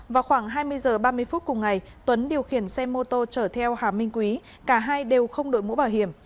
vào khoảng hai mươi h ba mươi phút cùng ngày tuấn điều khiển xe mô tô chở theo hà minh quý cả hai đều không đội mũ bảo hiểm